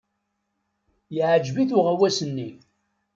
Yeɛjeb-it uɣawas-nni.